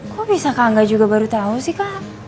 kok bisa kak angga juga baru tahu sih kak